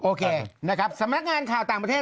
โอเคสนักงานข่าวต่างประเทศ